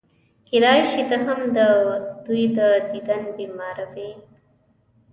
کېدای شي ته هم د دوی د دیدن بیماره وې.